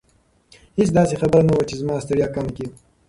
هیڅ داسې خبره نه وه چې زما ستړیا کمه کړي.